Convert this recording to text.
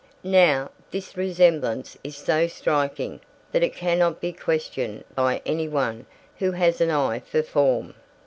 Now, this resemblance is so striking that it cannot be questioned by any one who has an eye for form.